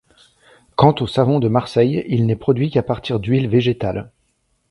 Quant au savon de Marseille, il n'est produit qu'à partir d'huiles végétales.